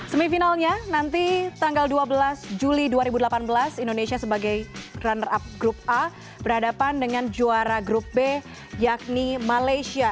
semifinalnya nanti tanggal dua belas juli dua ribu delapan belas indonesia sebagai runner up grup a berhadapan dengan juara grup b yakni malaysia